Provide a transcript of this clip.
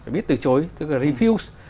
biết từ chối tức là refuse